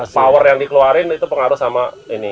power yang dikeluarin itu pengaruh sama ini